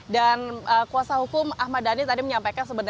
dan kuasa hukum ahmad dhani tadi menyampaikan sebetulnya